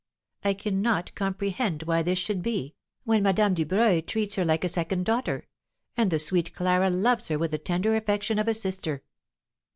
I cannot comprehend why this should be, when Madame Dubreuil treats her like a second daughter, and the sweet Clara loves her with the tender affection of a sister."